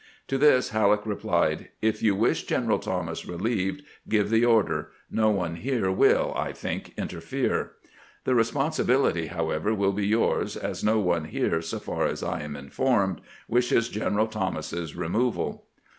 To this Halleck replied: "If you wish General Thomas relieved, give the order. No one here wiU, I think, interfere. The 344 CAMPAIGNING WITH GBANT responsibility, however, will be yours, as no one here, so far as I am informed, wishes General Thomas's re moval."